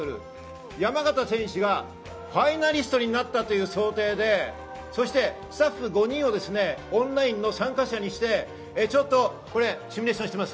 山縣選手がファイナリストになったという想定で、スタッフ５人をオンラインの参加者にして、シミュレーションしています。